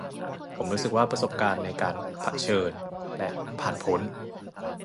ผมรู้สึกว่า ประสบการณ์ในการ 'เผชิญ' และ 'ผ่านพ้น'